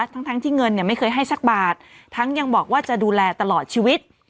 ทั้งที่เงินเนี่ยไม่เคยให้สักบาททั้งยังบอกว่าจะดูแลตลอดชีวิต